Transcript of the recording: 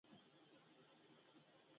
څنګه چي یې زه ولیدم، خپلې خبرې یې بس کړې.